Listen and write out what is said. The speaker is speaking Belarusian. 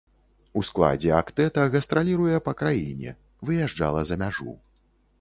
У складзе актэта гастраліруе па краіне, выязджала за мяжу.